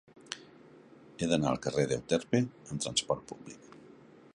He d'anar al carrer d'Euterpe amb trasport públic.